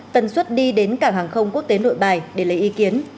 tần suất đi đến cảng hàng không quốc tế nội bài để lấy ý kiến